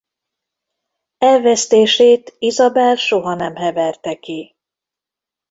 Elvesztését Isabel soha nem heverte ki.